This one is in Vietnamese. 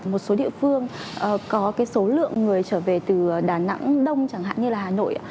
một số địa phương có số lượng người trở về từ đà nẵng đông chẳng hạn như hà nội